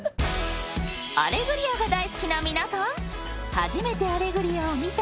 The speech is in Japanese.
［『アレグリア』が大好きな皆さん］